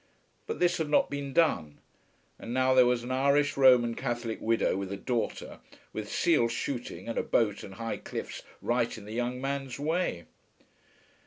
But this had not been done; and now there was an Irish Roman Catholic widow with a daughter, with seal shooting and a boat and high cliffs right in the young man's way!